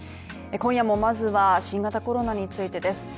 今夜もまずは新型コロナについてです。